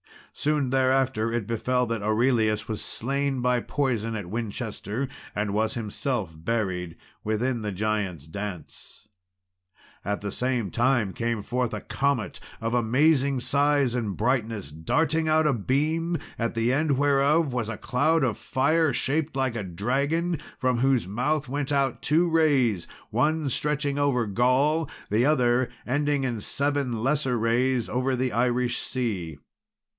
Soon thereafter it befell that Aurelius was slain by poison at Winchester, and was himself buried within the Giants' Dance. At the same time came forth a comet of amazing size and brightness, darting out a beam, at the end whereof was a cloud of fire shaped like a dragon, from whose mouth went out two rays, one stretching over Gaul, the other ending in seven lesser rays over the Irish sea.